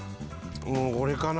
これかな？